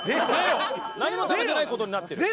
何も食べてない事になってる？